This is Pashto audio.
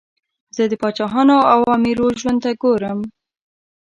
زه د پاچاهانو او امیرو ژوند ته ګورم.